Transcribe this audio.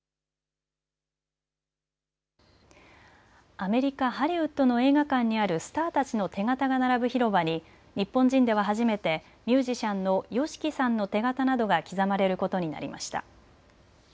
アメリカ・ハリウッドの映画館にあるスターたちの手形が並ぶ広場に日本人では初めてミュージシャンのＹＯＳＨＩＫＩさんの手形などが刻まれることになりました。